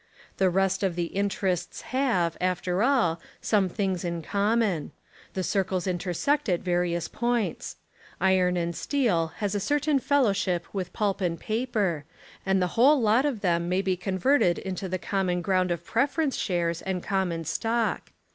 The rest of the "interests" have, after all, some things in com mon. The circles intersect at various points. Iron and steel has a certain fellowship with pulp and paper, and the whole lot of them may be converted Into the common ground of preference shares and common stock.